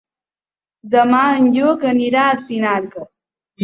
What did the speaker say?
Demà en Lluc anirà a Sinarques.